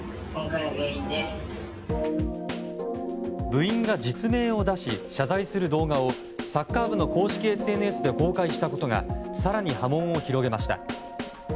部員が実名を出し謝罪する動画をサッカー部の公式ＳＮＳで公開したことが更に波紋を広げました。